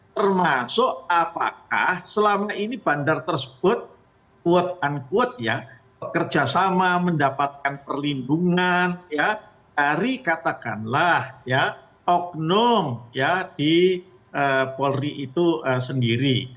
termasuk apakah selama ini bandar tersebut quote unquote ya kerjasama mendapatkan perlindungan dari katakanlah ya oknum ya di polri itu sendiri